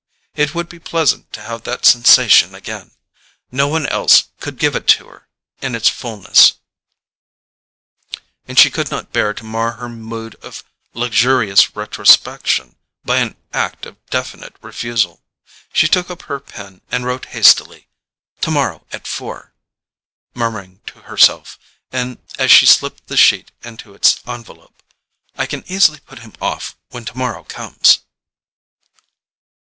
It would be pleasant to have that sensation again ... no one else could give it to her in its fulness; and she could not bear to mar her mood of luxurious retrospection by an act of definite refusal. She took up her pen and wrote hastily: "TOMORROW AT FOUR;" murmuring to herself, as she slipped the sheet into its envelope: "I can easily put him off when tomorrow comes."